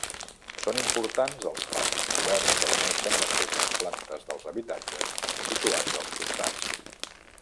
Són importants els passos coberts que uneixen les primeres plantes dels habitatges situats als costats.